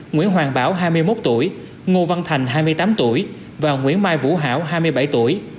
nguyễn hoàng bảo hai mươi một tuổi ngô văn thành hai mươi tám tuổi và nguyễn mai vũ hảo hai mươi bảy tuổi